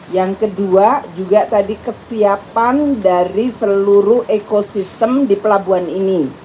yang kedua juga tadi kesiapan dari seluruh ekosistem di pelabuhan ini